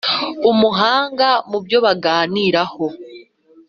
umuhanga mu byo baganiraho.